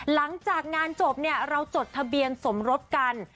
หลังจากงานจบเนี่ยเราจดทะเบียนสมรสกัน